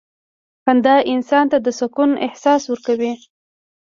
• خندا انسان ته د سکون احساس ورکوي.